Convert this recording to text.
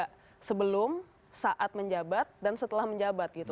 ketika sebelum saat menjabat dan setelah menjabat gitu